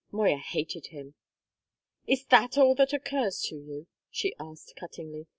Moya hated him. "Is that all that occurs to you?" she asked cuttingly.